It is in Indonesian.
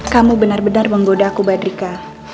kamu benar benar menggoda aku badrika